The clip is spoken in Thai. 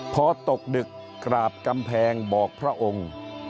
พอตกดึกกราบกำแพงบอกพระองค์